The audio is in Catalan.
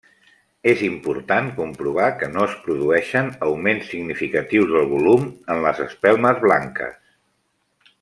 És important comprovar que no es produeixen augments significatius del volum en les espelmes blanques.